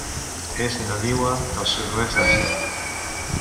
És nadiua del sud-oest d'Àsia.